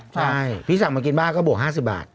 ใช่พี่สั่งมากินบ้านก็บวก๕๐บาท